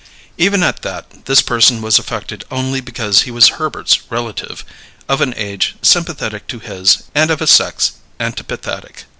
Even at that, this person was affected only because she was Herbert's relative, of an age sympathetic to his and of a sex antipathetic.